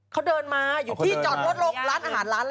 เขาเดินมาอยู่ที่จอดรถลงร้านอาหารร้านอะไร